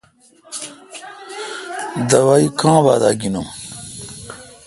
دوائ کا با داگینم۔